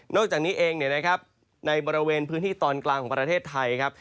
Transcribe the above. จากนี้เองในบริเวณพื้นที่ตอนกลางของประเทศไทยครับ